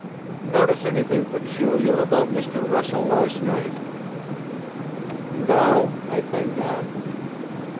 "Notice anything peculiar about Mr. Russell last night?" "No; I think not."